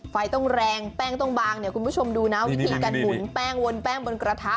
ไฟต้องแรงแป้งต้องบางเนี่ยคุณผู้ชมดูนะวิธีการหมุนแป้งวนแป้งบนกระทะ